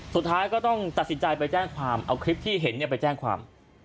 สุดท้ายก็ต้องตัดสินใจไปแจ้งความเอาคลิปที่เห็นไปแจ้งความ